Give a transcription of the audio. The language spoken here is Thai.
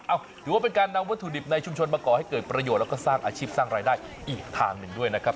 ถือว่าเป็นการนำวัตถุดิบในชุมชนมาก่อให้เกิดประโยชน์แล้วก็สร้างอาชีพสร้างรายได้อีกทางหนึ่งด้วยนะครับ